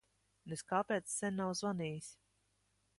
Nez kāpēc sen nav zvanījis.